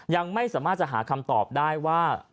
ยังไม่สามารถจะหาคำตอบได้ว่า